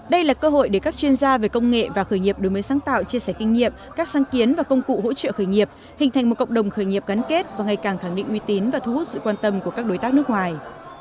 đây là cơ hội để các chuyên gia về công nghệ và khởi nghiệp đổi mới sáng tạo chia sẻ kinh nghiệm các sáng kiến và công cụ hỗ trợ khởi nghiệp hình thành một cộng đồng khởi nghiệp gắn kết và ngày càng khẳng định uy tín và thu hút sự quan tâm của các đối tác nước ngoài